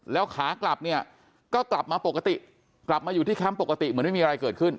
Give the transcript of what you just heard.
แล้วขากลับเนี่ยก็กลับมาปกติกลับมาอยู่ที่แคมป์ปกติเหมือนไม่มีอะไรเกิดขึ้น